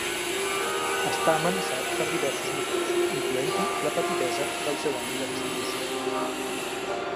Està amenaçat per diversos motius, incloent-hi la petitesa del seu àmbit de distribució.